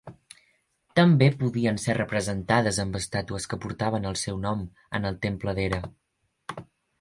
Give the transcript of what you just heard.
També podien ser representades amb estàtues que portaven el seu nom en el temple d'Hera.